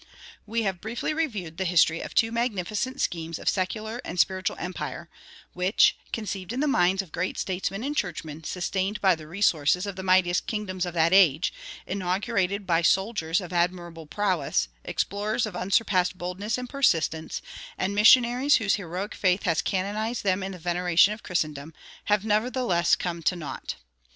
We have briefly reviewed the history of two magnificent schemes of secular and spiritual empire, which, conceived in the minds of great statesmen and churchmen, sustained by the resources of the mightiest kingdoms of that age, inaugurated by soldiers of admirable prowess, explorers of unsurpassed boldness and persistence, and missionaries whose heroic faith has canonized them in the veneration of Christendom, have nevertheless come to naught.